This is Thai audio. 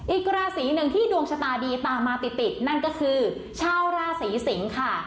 อีกราศีหนึ่งที่ดวงชะตาดีตามมาติดติดนั่นก็คือชาวราศีสิงค่ะ